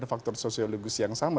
faktor sosiologis yang sama